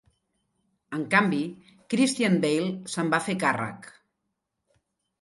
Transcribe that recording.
En canvi, Christian Bale se'n va fer càrrec.